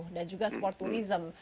dan juga sport tourism